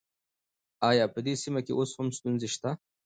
آيا په دې سيمه کې اوس هم ستونزې شته؟